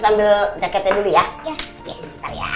saya ambil jaketnya dulu ya